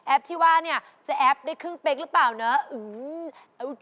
ที่ว่าเนี่ยจะแอปได้ครึ่งเป๊กหรือเปล่าเนาะ